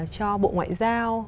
cho bộ ngoại giao